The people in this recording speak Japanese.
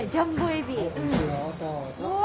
うわ！